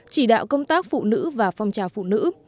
chỉ đạo công tác phụ nữ và phong trào phụ nữ